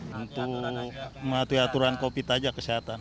untuk mematuhi aturan covid aja kesehatan